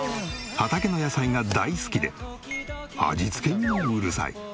畑の野菜が大好きで味付けにもうるさい。